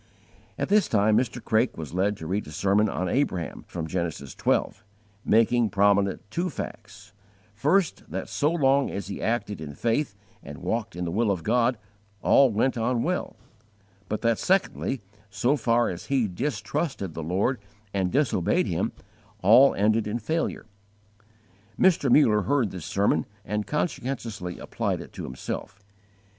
* Matt. vi. 34. At this time Mr. Craik was led to read a sermon on Abraham, from Genesis xii, making prominent two facts: first, that so long as he acted in faith and walked in the will of God, all went on well; but that, secondly, so far as he distrusted the Lord and disobeyed Him, all ended in failure. Mr. Muller heard this sermon and conscientiously applied it to himself.